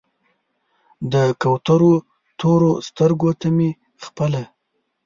د کوترو تورو سترګو ته مې خپله